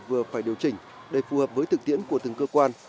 vừa phải điều chỉnh để phù hợp với thực tiễn của từng cơ quan